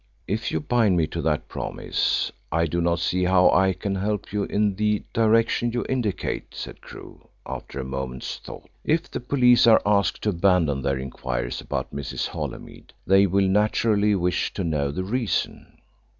"If you bind me to that promise I do not see how I can help you in the direction you indicate," said Crewe, after a moment's thought. "If the police are asked to abandon their inquiries about Mrs. Holymead, they will naturally wish to know the reason."